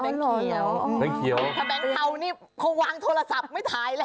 ถ้าเบิ้งแขี่วนี้เขาวางโทรศัพท์ไม่ถ่ายแล้ว